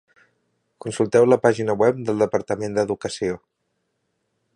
Consulteu la pàgina web del Departament d'Educació.